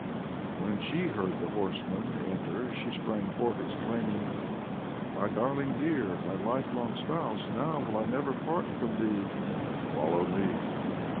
And when she heard the horseman enter she sprang forth, exclaiming: "My darling dear, my life long spouse! now will I never part from thee!" "Follow me!"